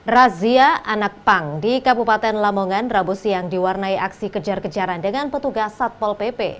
razia anak pang di kabupaten lamongan rabu siang diwarnai aksi kejar kejaran dengan petugas satpol pp